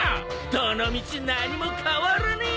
どのみち何も変わらねえ！